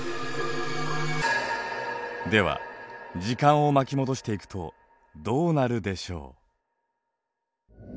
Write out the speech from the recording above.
では時間を巻き戻していくとどうなるでしょう？